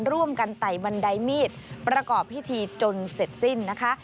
ไต่บันไดมีดประกอบพิธีจนเสร็จสิ้นนะคะ